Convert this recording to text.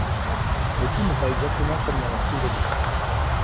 Mais tout n’est pas exactement comme dans leurs souvenirs.